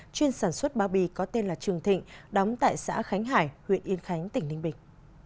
chuyên sản xuất bao bì có tên là trường thịnh đóng tại xã khánh hải huyện yên khánh tỉnh ninh bình